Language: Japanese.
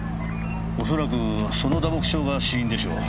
恐らくその打撲傷が死因でしょう。